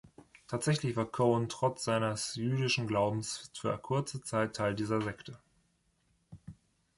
Tatsächlich war Cohen trotz seines jüdischen Glaubens für kurze Zeit Teil dieser Sekte.